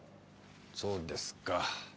そうですか。